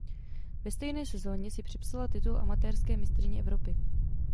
Ve stejné sezóně si připsala titul amatérské mistryně Evropy.